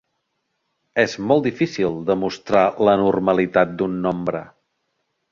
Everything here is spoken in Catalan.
És molt difícil demostrar la normalitat d'un nombre.